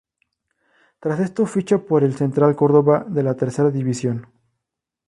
Tras esto ficha por el Central Córdoba de la Tercera División.